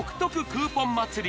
クーポン祭り